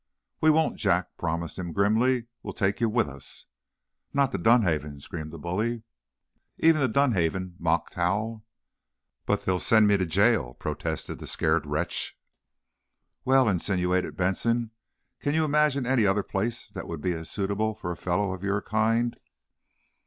"We won't," Jack promised him, grimly. "We'll take you with us." "Not to Dunhaven!" screamed the bully. "Even to Dunhaven," mocked Hal. "But they'll send me to jail," protested the scared wretch. "Well," insinuated Benson, "can you imagine any other place that would be as suitable for a fellow of your kind?"